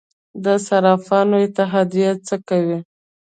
د صرافانو اتحادیه څه کوي؟